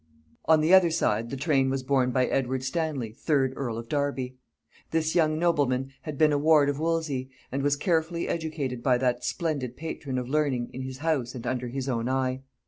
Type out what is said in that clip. On the other side the train was borne by Edward Stanley third earl of Derby. This young nobleman had been a ward of Wolsey, and was carefully educated by that splendid patron of learning in his house and under his own eye.